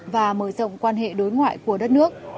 và mở rộng quan hệ đối ngoại của đất nước